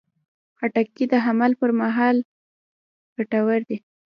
خټکی د حمل پر مهال ګټور دی.